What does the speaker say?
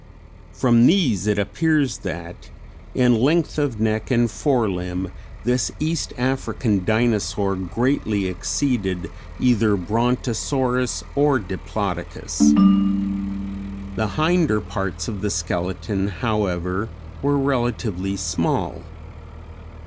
From these it appears that in length of neck and fore limb this East African Dinosaur greatly exceeded either Brontosaurus or Diplodocus. The hinder parts of the skeleton however, were relatively small.